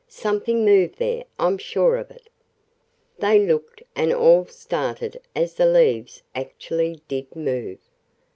"Something moved there, I'm sure of it!" They looked, and all started as the leaves actually did move.